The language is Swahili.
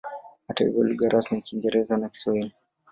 Hata hivyo lugha rasmi ni Kiingereza na Kiswahili.